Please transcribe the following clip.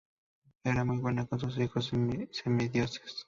Era muy buena con sus hijos semidioses.